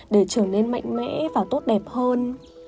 để trở nên mạnh mẽ và tốt đẹp hơn